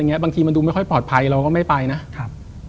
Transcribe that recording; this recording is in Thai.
บางทีมันดูไม่ค่อยปลอดภัยเราก็ไม่ไปนะครับ